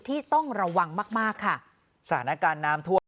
ที่ต้องระวังมากมากค่ะสถานการณ์น้ำท่วม